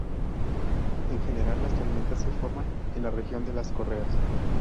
En general, las tormentas se forman en la región de las correas.